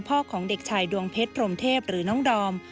ของเด็กชายดวงเพชรพรมเทพหรือน้องดอม